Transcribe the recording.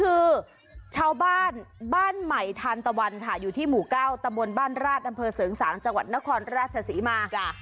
อืมบ้าบ้านบ้านใหม่ธาณตวันค่ะอยู่ที่หมู่๙ตะมนบ้านราชดำเภอเสิงสามจังหวัดนครราชศรีมาจ้า